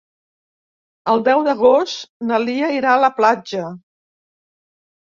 El deu d'agost na Lia irà a la platja.